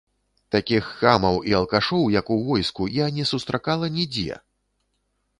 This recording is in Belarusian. Такіх хамаў і алкашоў, як у войску, я не сустракала нідзе!